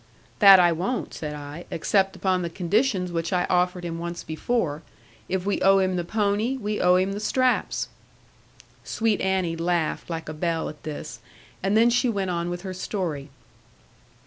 'That I won't,' said I, 'except upon the conditions which I offered him once before. If we owe him the pony, we owe him the straps.' Sweet Annie laughed, like a bell, at this, and then she went on with her story.